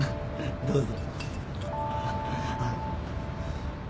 どうぞ。